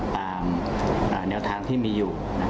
ตามแนวทางที่มีอยู่